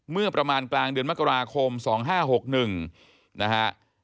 เมื่อประมาณกลางเดือนมกราคม๒๕๖๑นะฮะ